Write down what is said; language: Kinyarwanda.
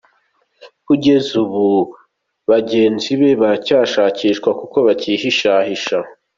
Kugeza ubu ngo bagenzi baracyashakishwa kuko bakihishahisha .